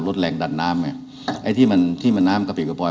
ลดระยะดัดน้ำไออย่างที่น้ำกะปลีกกะปลอย